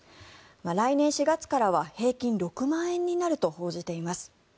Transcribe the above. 来年４月からは平均６万円になると報じています。